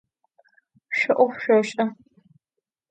Şso 'of şsoş'e.